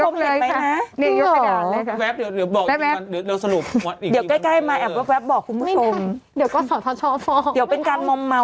เมื่อกี้โชว์เราคุณผู้ชมเห็นไหมนะ